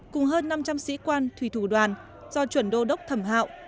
cùng hơn năm trăm linh sĩ quan thủy thủ đoàn do chuẩn đô đốc thẩm hạo